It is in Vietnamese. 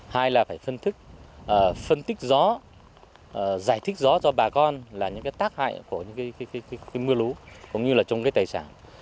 hai là phải phân tích gió giải thích gió cho bà con là những tác hại của mưa lú cũng như trong tài sản